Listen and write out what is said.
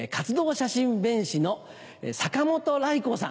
写真弁士の坂本頼光さん。